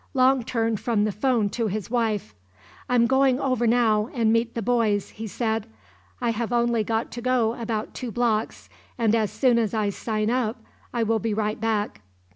Long turned from the phone to his wife. "I am going over now, and meet the boys," he said. "I have only got to go about two blocks and as soon as I sign up I will be right back."